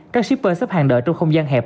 các shipper sắp hàng đợi trong không gian hẹp